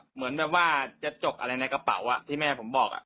เหมือนแบบว่าจะจกอะไรในกระเป๋าที่แม่ผมบอก